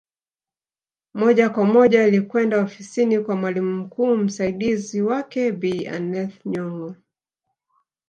Moja kwa moja alikwenda ofisini kwa mwalimu mkuu msaidizi wake Bi Aneth Nyongo